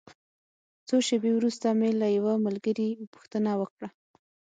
څو شېبې وروسته مې له یوه ملګري پوښتنه وکړه.